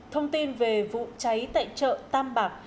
thông tin về vụ cháy tại chợ tam bạc